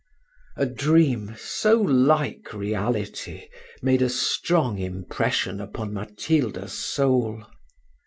A dream so like reality made a strong impression upon Matilda's soul.